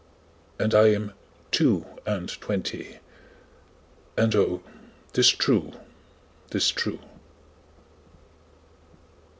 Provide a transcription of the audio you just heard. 'And I am two and twenty, And oh, 'tis true, 'tis true.